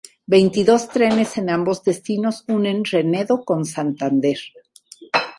Veintidós trenes en ambos destinos unen Renedo con Santander.